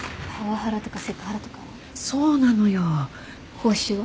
報酬は？